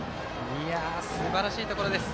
すばらしいところです。